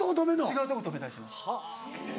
違うとこ止めたりします。